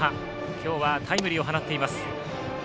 今日はタイムリーを放っています。